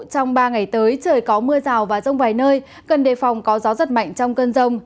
trong ba ngày tới trời có mưa rào và rông vài nơi cần đề phòng có gió rất mạnh trong cơn rông